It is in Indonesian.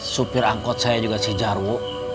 supir angkot saya juga si jarwo